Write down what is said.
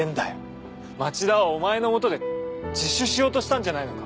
町田はお前のもとで自首しようとしたんじゃないのか？